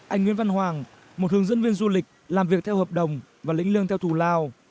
anh nguyễn văn hoàng một hướng dẫn viên du lịch làm việc theo hợp đồng và lĩnh lương theo thù lao